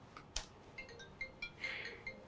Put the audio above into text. kalau orang lagi sedih